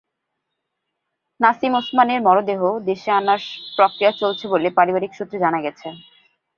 নাসিম ওসমানের মরদেহ দেশে আনার প্রক্রিয়া চলছে বলে পারিবারিক সূত্রে জানা গেছে।